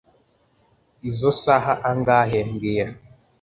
Izoi saha angahe mbwira